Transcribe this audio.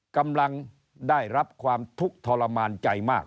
กำลังได้รับความทุกข์ทรมานใจมาก